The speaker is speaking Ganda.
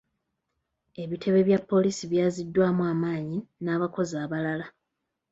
Ebitebe bya poliisi byazziddwamu amaanyi n'abakozi abalala.